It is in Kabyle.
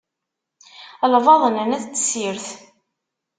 Lbaḍna n at tessirt.